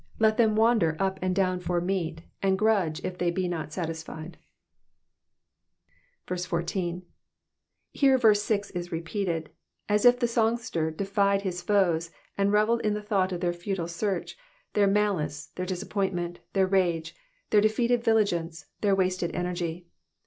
15 Let them wander up and down for meat, and grudge if they be not satisfied. 14. Here verse six is repeated, as if the songster defied his foes and revelled in the thought of their futile search, their malice, their disappointment, their rage, their defeated vigilance, their wasted energy.